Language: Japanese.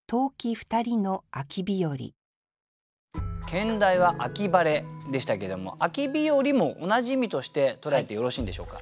兼題は「秋晴」でしたけども「秋日和」も同じ意味として捉えてよろしいんでしょうか？